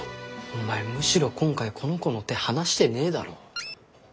お前むしろ今回この子の手離してねえだろ。